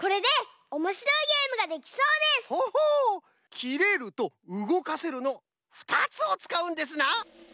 「きれる」と「うごかせる」の２つをつかうんですな！